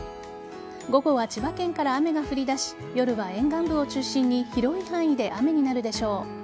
午後は千葉県から雨が降り出し夜は沿岸部を中心に広い範囲で雨になるでしょう。